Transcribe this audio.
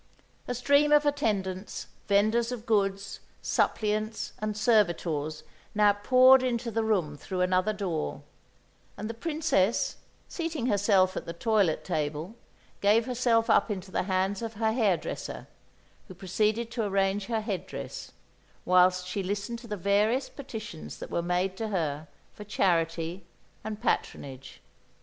A stream of attendants, vendors of goods, suppliants and servitors now poured into the room through another door; and the Princess, seating herself at the toilet table, gave herself up into the hands of her hairdresser, who proceeded to arrange her head dress whilst she listened to the various petitions that were made to her for charity and patronage.